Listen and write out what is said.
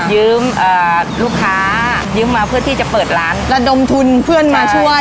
ยืมอ่าลูกค้ายืมมาเพื่อที่จะเปิดร้านแล้วดมทุนเพื่อนมาช่วยใช่